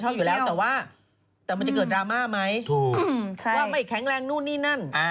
อยู่แล้วแต่ว่าแต่มันจะเกิดดราม่าไหมถูกว่าไม่แข็งแรงนู่นนี่นั่น